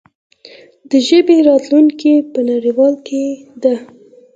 د ژبې راتلونکې په روڼوالي کې ده.